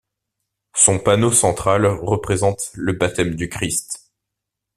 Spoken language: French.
Son panneau central représente le Baptême du Christ.